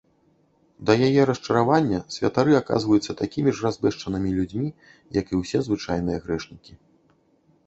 Да яе расчаравання, святары аказваюцца такімі ж разбэшчанымі людзьмі як і ўсе звычайныя грэшнікі.